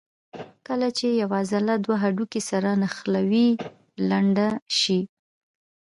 کله چې یوه عضله دوه هډوکي سره نښلوي لنډه شي.